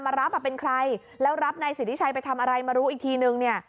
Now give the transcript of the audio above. รับอ่ะเป็นใครแล้วรับนายสิทธิชัยไปทำอะไรมารู้อีกทีนึงเนี่ย